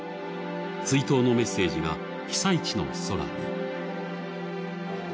追悼のメッセージが被災地の空に。